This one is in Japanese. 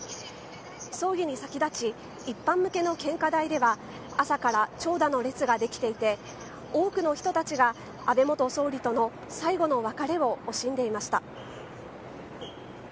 葬儀に先立ち一般向けの献花台では朝から長蛇の列ができていて多くの人たちが安倍元総理との最後の別れを惜しんでいました。